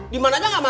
dimana aja gak mau